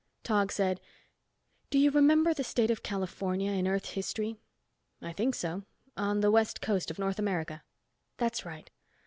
Tog said, "Do you remember the State of California in Earth history?" "I think so. On the west coast of North America." "That's right.